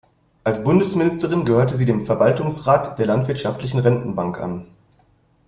Als Bundesministerin gehörte sie dem Verwaltungsrat der Landwirtschaftlichen Rentenbank an.